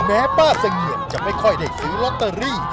แม้ป้าเสงี่ยมจะไม่ค่อยได้ซื้อลอตเตอรี่